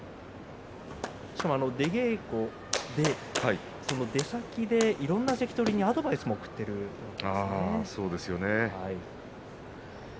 しかも出稽古でいろんな関取にアドバイスも送っているんですよね。